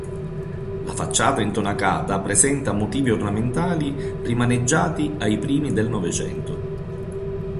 La facciata intonacata presenta motivi ornamentali rimaneggiati ai primi del Novecento.